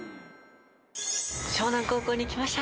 湘南高校に来ました！